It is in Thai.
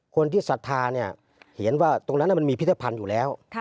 คนที่ศัฒนาเห็นว่าตรงนั้นมันมีพิเศษภัณฑ์อยู่แล้ว